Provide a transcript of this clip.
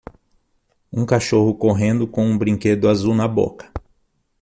Um cachorro correndo com um brinquedo azul na boca.